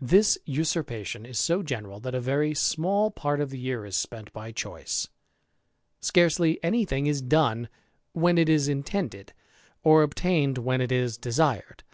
This usurpation is so general, that a very small part of lie year is spent by choice; scarcely any thing is done rhen it is intended, or obtained when it is desired.